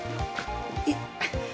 えっ。